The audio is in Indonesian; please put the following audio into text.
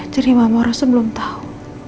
jadi mama harus sebelum tahu